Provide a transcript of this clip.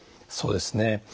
そうですね。